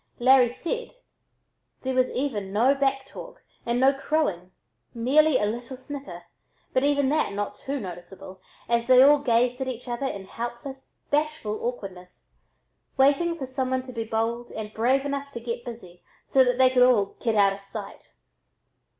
Larry said, there was even no "back talk" and no "crowing, merely a little snicker," but even that not too noticeable, as they gazed at each other in helpless, bashful awkwardness, waiting for someone to be bold and brave enough to "get busy" so that they could all "get out o' sight."